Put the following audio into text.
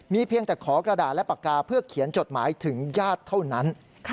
เพียงแต่ขอกระดาษและปากกาเพื่อเขียนจดหมายถึงญาติเท่านั้น